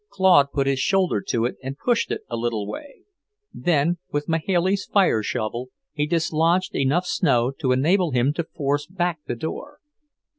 Claude put his shoulder to it and pushed it a little way. Then, with Mahailey's fireshovel he dislodged enough snow to enable him to force back the door.